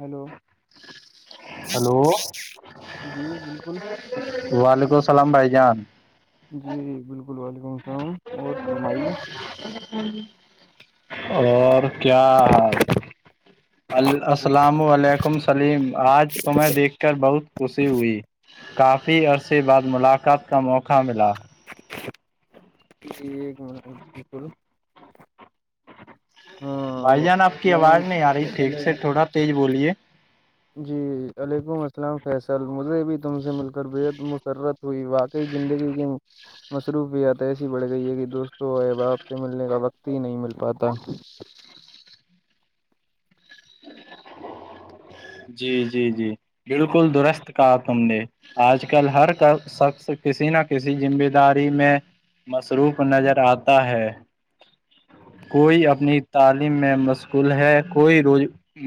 hello hello جی بالکل وعلیکم ال سلام بائی جان جی بالکل [inaudible] اور کیا حال السلام علیکم سلیم آج تمہیں دیکھ کر بہت خوشی ہوئی کافی عرصے بعد ملاقات کا موقع ملا یہ بالک بھائی جان آپ کی آواز نہیں آ رہی السلام ٹھیک سے علیکم تھوڑا تیز بولیے جی وعلیکم السلام فیصل مجھے بھی تم سے مل کر بےحد مسرت کوئی واقعی زندگی کی مصروفیات ایسی بڑھ گئی ہے کہ دوستوں و احباب سے ملنے کا وقت ہی نہیں مل پاتا جی جی جی بالکل درست کا تم نےے آج کل ہر کا شخص کسی نہ کسی ذمہ داری میں مصروف نظر آتا ہے کوئی اپنی تعلیم میں مشکول ہے کوئی روز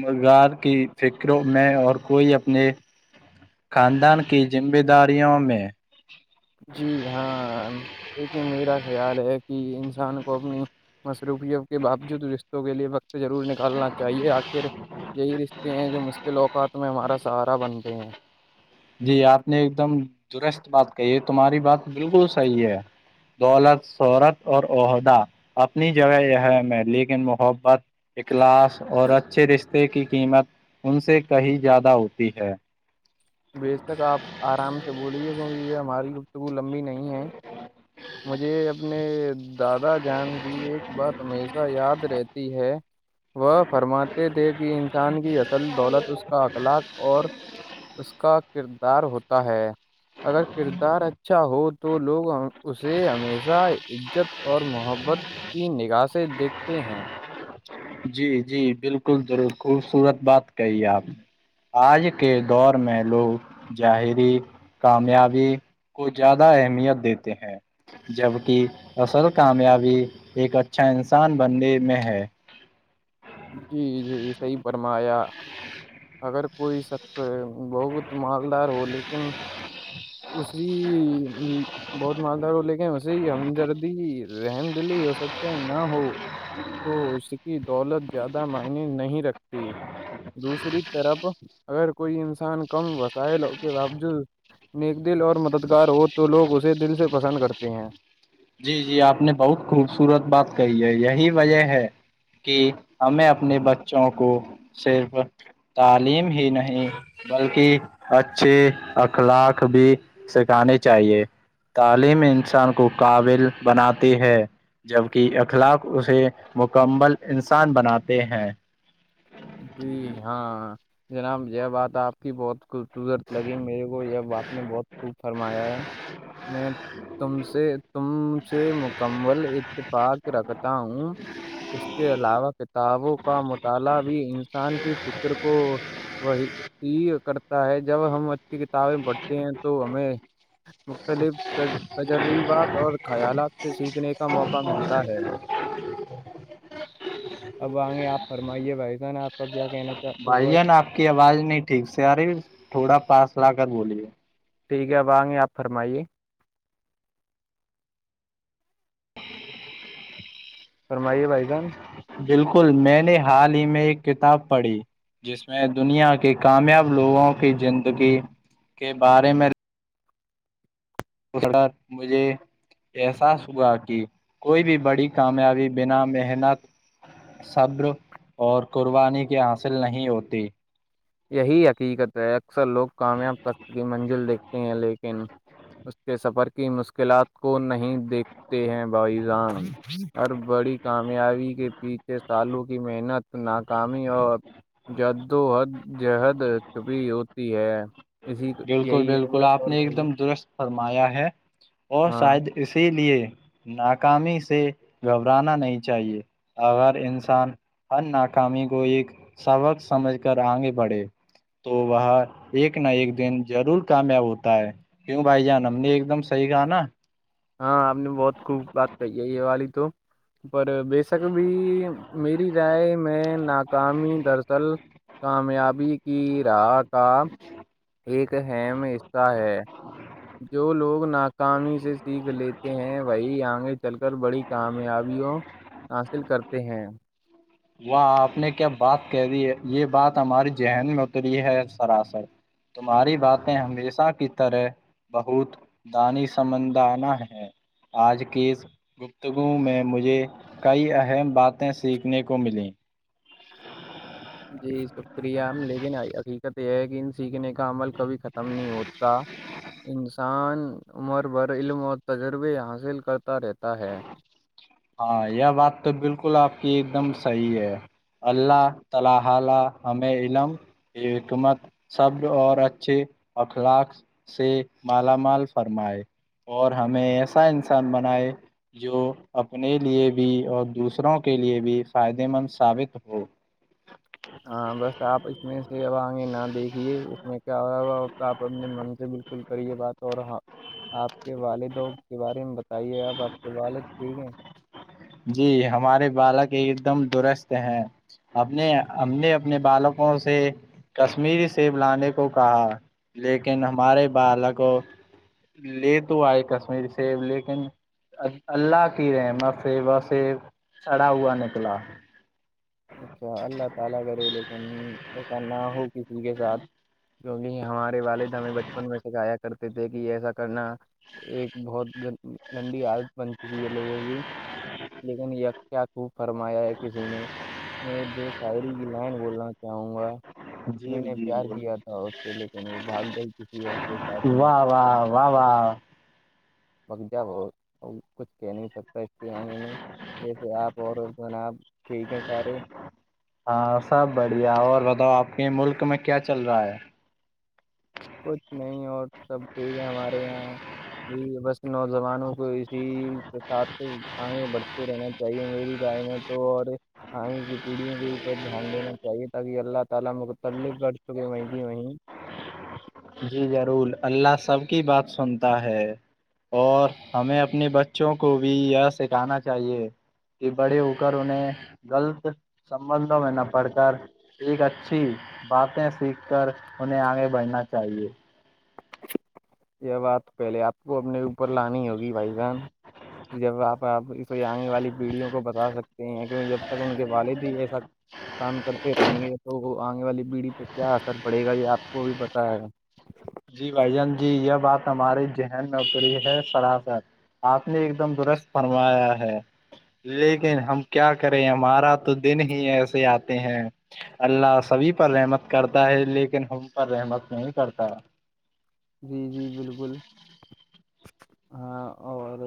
روزگار کی فکروں میں اور کوئی اپنے خاندان کی ذمہ داریوں میں جی ہاں لیکن میرا خیال ہے کہ انسان کو اپنی مصروفیت کے باوجود رشتوں کے لیے ضرور نکالنا چاہیے آخر یہی رشتے ہیں جو مشکل اوقات میں ہمارا سہارا بنتے ہیں جی آپ نے ایک دم درست بات کہی ہے تمہاری بات بالکل صحیح ہے دولت شہرت اور عہدہ اپنی جگہ یہ ہے لیکن محبت کلاس اور اچھے رشتے کی قیمت ان سے کہیں زیادہ ہوتی ہے بیےش تک آپ آرام سے بولیے کیونکہ یہ ہماری گفتگو لمبی نہیں ہے مجھے اپنے دادا جان کی ایک بات ہمیشہ یاد رہتی ہے وہ فرماتے تھے کہ انسان کی چل دولت اس کا اخلاق اور اس کا کردار ہوتا ہے اگر کردار اچھا ہو تو لوگ اسے ہمیشہ عزت اور محبت کی نگاہشیں دیکھتے ہیں جی جی بالکل ضرور خوبصورت بات کہی آپ آج کے دور میں لوگ ظاہری کامیابی کو زیادہ اہمیت دیتے ہیں جبک اصل کامیابی ایک اچھا انسان بننے میں ہے جی جی صحیح فرمایا اگر کوئی شخص بہ مالدار ہو لیکن اسی بہت مالدار ہو لیکن اسی ہمدردی رحم دلی اور سچائی نہ ہو تو اس کی دولت زیادہ معنی نہیں رکھتی دوسری طرف اگر کوئی انسان کم وسائل کے باوجود نیک دل اور مددگار ہو تو لوگ اسے دل سے پسند کرتے ہیں جی جی آپ نے بہت خوبصورت بات کہی ہے یہی وجہ ہے کہ ہمیں اپنے بچوں کو صرف تعلیم ہی نہیں بلکہ اچھے اخلاق بھی سکھانے چاہیے تعلیم انسان کو قابل بناتے ہے جبکہ اخلاق اسے مکمل انسان بناتے ہیں جی ہاں جناب یہ بات آپ کی بہت خوبصورت لگی میرے کو یہ آپ نے بہت خوب فرمایا ہے میں تم سے تم سے مکمل اتفاق رکھتا ہوں اس کے علاوہ کتابوں کا مطالعہ بھی انسان کی فکر کو وہی یہ کرتا ہے جب ہم اچ کی کتابیں پڑھتے ہیں تو ہمیں مختلف تجربات اور خیالات سے سیکھنے کا موقع ملتا ہے اب آئ گے آپ فرمائیے بھائی پ بھائی جان آپ کی آواز نہیں ٹھیک سے رے تھوڑا پاس لاکھ کر بولی ہے ٹھیک ہے وہاں گے آپ فرمائیے فرمائیے بھائی جان بالکل میں نے حال ہی میں ایک کتاب پڑھی جس میں دنیا کے کامیاب لوگوں کی زندگی کے بارے میں اسر مجھے احساس ہوا کہ کوئی بھی بڑی کامیابی بنا محنت صبر اور قربانی کے حاصل نہیں ہوتی یہی حقیقت ہے اکثر لوگ کامیاب سخت کی منزل دیکھتے ہیں لیکن اس کے سفر کی مشکلات کو نہیں دیکھتے ہیں بائی جان ہ بڑی کامیابی کے پیچھے سالوں کی محنت ناکامی اور جد وہد جہد کبھی ہوتی ہے اسی بالکل یہی ہے بالکل بس آپ اور نے ایک بھائی جان دم درست فرمایا ہے [inaudible] اور ہاں شاید اسی لیے ناکامی سے گھبرانا نہیں چاہیے اگر انسان ہر ناکامی کو ایک سبق سمجھ کر آگے بڑھے تو وہ ایک نہ ایک دن ضرور کامیاب ہوتا ہے کیوں بھائی جان ہم نے ایک دم صحیح کہا نا ہاں آپ نے بہت خوب بات کہی ہے یہ والی تو پر بےشک بھی میری رائے میں ناکامی درصل کامیابی کی رح کاام ایک ہےم میں حصہ ہے جو لوگ ناکامی سے سیکھ لیتے ہیں وہی آگے چل کر بڑی کامیابیوں حاصل کرتے ہیں و آپ نے کیا بات کہہ دی ہے یہ بات ہماری ذہن میں اتری ہے سراسر تمہاری باتیں ہمیشہ کی طرح بہت دانی سمندانہ ہے آج کی گپتگو میں مجھے کئی اہم باتیں سیکھنے کو ملے جی شکریہ لیکن حقیقت یہ ہے کہ ان سیکھنے کا عمل کبھی ختم نہیں ہوتا ان انسان عمر بھر علم اور تجربے حاصل کرتا رہتا ہے [unintelligible] اپنے لیے بھی اور دوسروں کے لیے بھی فائدے مند ثابت ہو [inaudible] تو آپ اپنے من سے بالکل کریے بات اور آپ کے والدوں کے بارے میں بتائیے آپ آپ کے والد ٹھیک ہیں جی ہمارے بالک ایک دم درست ہیں اپنے ہم نے اپنے بالکوں سے کشمیری سیب لانے کو کہا لیکن ہمارے بالک لے تو آئے کشمیری سیب لیکن اللہ کی رحمت سیوا سے چڑھا ہوا نکلا [unintelligible] ایسا نہ ہو کسی کے ساتھ کی ہمارے والدہ ہمیں بچپن میں سےکھایا کرتے تھے کہ ایسا کرنا ایک بہت گندی حالت بن چکی ہے لوگوں کی لیکن یہ کیا خوب فرمایا ہے کسی نے میں دو شاعری کی لن بولنا چاہوں گا جی میں جی نے پیار جی کیا تھا اس سے لیکن وہ بھاگ گئی کسی اور سے ساتھ میں واہ واہ واہ کروں واہ وج کچھ کہہ نہیں سکتا اس کے آنگے میںسے آپنا ٹھیک ہے سارے ہاں سب بڑھیا اور بتاؤ آپ کے ملک میں کیا چل رہا ہے [unintelligible] جی ضرور اللہ سب کی بات سنتا ہے اور ہمیں اپنے بچوں کو بھی یہ سکھانا چاہیے کہ بڑی ہو کرر انہیں غلط سبندوں میں نہ پڑھ کر ایک اچھی باتیں سیکھ کر انہیں آگے بڑھنا [unintelligible] یہب آپ پہلے آپ کو اپنے اوپر لانی ہوگی بھائی جان جب آپ آپ آنے والی پیڑھیوں کو بتا سکتے ہیں کیہ جب تک ان کے والد ہی ایسا کام کرتے رہیں گے تو تو آگنے والی پیڑھی پہ کیا اثر پڑے گا یہ آپ کو بھی پتا ہے جی بھائی جان جی یہ بات ہمارے ذہن میں پری ہے سرافت آپ نے ایک دم درست فرمایا ہے لیکن ہم کیا کریں ہمارا تو دن ہی ایسے آتے ہیں اللہ سبھی پر رحمت کرتا ہے لیکن ہم پر رحمت نہیں کرتا جی جی بالکل ہاں اور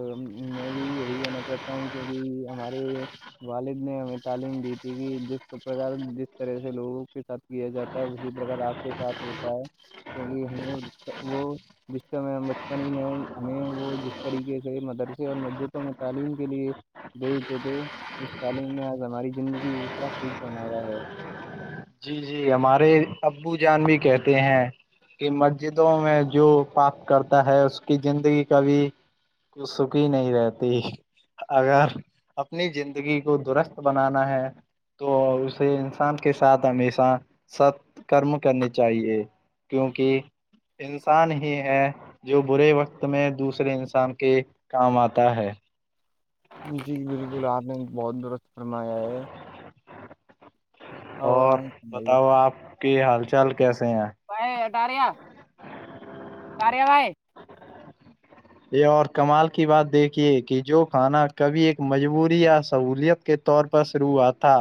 میں بھی یہی کہنا چاہتا ہوں کیونکہ ہمارے والد نے ہمیں تعلیم دی تھی کہ جس پرکار جس طرح سے لوگوں کے ساتھ کیا جاتا ہے اسی پرکار آپ کے ساتھ ہوتا ہے کیونکہ ہمیں وہ جس سے بچپن میں ہمیں وہ جس طریقے سے مدرسے اور مسجدوں میں تعلیم کے لیے بھیجتے تھے اس تعلیم نے آج ہماری زندگی کو کیا خوب بنایا ہے جی جی ہمارے ابو جان بھی کہتے ہیں کہ مسجدوں میں جو پپ کرتا ہے اس کی زندگی کبھی ک سکھی نہیں رہتی اگر اپنی زندگی کو درست بنانا ہے تو اسے انسان ک ساتھ ہمیشہ ست کرم کرنے چاہیے کیونکہ انسان ہی ہے جو برے وقت میں دوسرے انسان کے کام آتا ہے جی بالکل آپ نے بہت درست فرمایا ہے اور آئیں فرمائیے بتاؤ آپ کہ حال چال کیسے ہیں دارے بھائی یہ اور کمال کی بات دیکھیے کہ جو کھانا کبھی ایک مجبوری یا سہولیت کے طور پر شروع ہوا تھا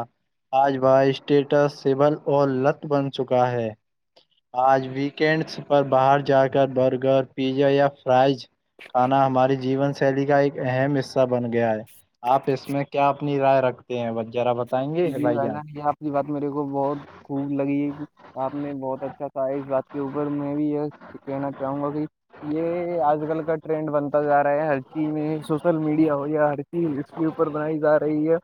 آج وہ اسٹیٹس سبل اور لط بن چکا ہے آج ویکینڈس پر باہر جا کر برگر پیزا یا فرائز کھانا ہماری جیون شیلی کا ایک اہم حصہ بن گیا ہے آپ اس میں کیا اپنی رائے رکھتے ہیں با جی بھائی جان یہ آپ کی بات میرے کو بہت خوب لگی ہے آپ نے بہت اچھا کہا اس بات اس کے اوپر میں بھی یہ کہنا چاہوں گا کہ یہ آج کل کا ٹرینڈ بنتا جا رہا ہے ہر چیز میں سوشل میڈیا ہو یا ہر چیز اس کے اوپر بنائی جا رہی ہے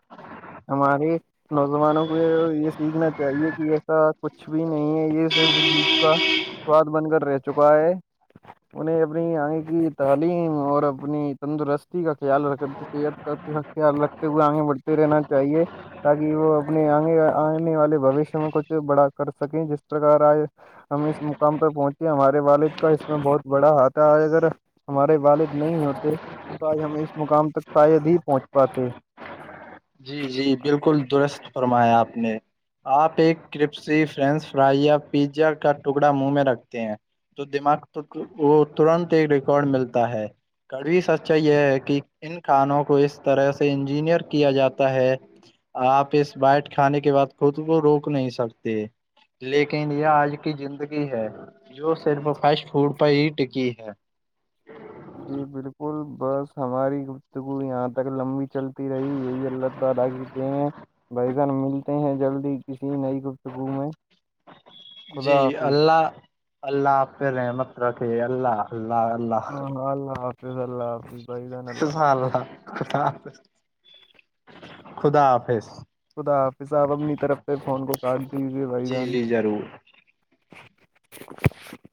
ہمارے نوجوانوں کو یہ سیکھنا چاہیے کہ ایسا کچھ بھی نہیں ہے یہ صرف جی کا سواد بن کر رہ چکا ہے انہیں اپنی آنگے کی تعم اور اپنی تندرستی کا خیال رکھح خل رکھ تے ہوئے آگے بڑھتے رہنا چاہیے تاکہ وہ اپنے آگے آنے والے بوشیہ میں کچھ بڑا کر سکیں جس پرکار آج ہم اس مقام پر پہنچے ہمارے والد کا اس میں بہت بڑا ہاتھ ہے اگر ہمارے والد نہیں ہوتے تو آج ہم اس مقام تک شاید ہی پہنچ پاتے جی جی بالکل درست فرمایا آپ نے آپ ایک کرپ فرینچ فرائی یا پیزا کا ٹکڑا منہ میں رکھتے ہیں جو دماغ وہ ترنت ایک ریکارڈ ملتا ہے کڑوی سچائی یہ ہے کہ ان کھانوں کو اس طرح سے انجینئر کیا جاتا ہے آپ اس بیائٹ کھانے کے بعد خود کو روک نہیں سکتے لیکن یہ آج کی زندگی ہے جو صرف فاسٹ فوڈ پر ہی ٹکی ہے جی بالکل بس ہماری گفتگو یہاں تک لمبی چلتی رہی یہی اللہ تعالدا کہتے ہیں بھائیسان ملتے ہیں جلدی کسی نئی گفتگو میں خدا جی حافظ اللہ اللہ آپ پہ رحمت رکے اللہ اللہ اللہ الله حافظ بھائی جان الله حافظ ک [unintelligible] خدا حافظ خدا حافظاب اپنی طرف پہ فون کو کاٹ دیجیئے بھائی جی جان جی ضرور [unintelligible]